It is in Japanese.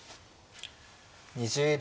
２０秒。